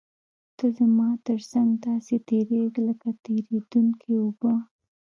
ته زما تر څنګ داسې تېرېږې لکه تېرېدونکې اوبه.